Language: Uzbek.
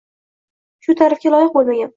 Shu ta’rifga loyiq bo‘lmagan.